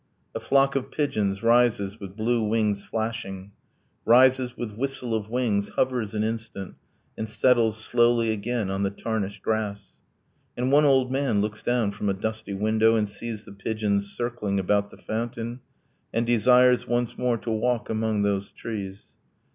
A flock of pigeons rises with blue wings flashing, Rises with whistle of wings, hovers an instant, And settles slowly again on the tarnished grass. And one old man looks down from a dusty window And sees the pigeons circling about the fountain And desires once more to walk among those trees.